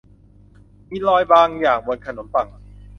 มีร่องรอยบางอย่างบนขนมปัง